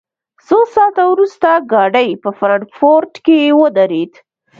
څو ساعته وروسته ګاډی په فرانکفورټ کې ودرېد